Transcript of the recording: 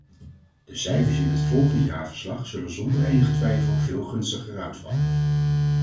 De cijfers in het volgende jaarverslag zullen zonder enige twijfel veel gunstiger uitvallen.